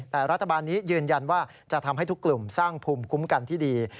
แต่รัฐบาลนี้ยืนยันว่าจะทำให้ทุกกลุ่มสร้างภูมิคุ้มกันที่ดี